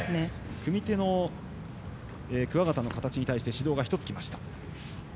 組み手の桑形の形に対して指導が１つきました。